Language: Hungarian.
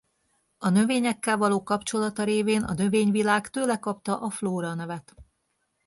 A növényekkel való kapcsolata révén a növényvilág tőle kapta a flóra nevet.